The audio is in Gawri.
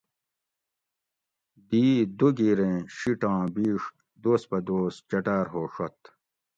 دی یۡ دوگیریں شیٹاں بیڛ دوس پہ دوس چٹار ھوڛت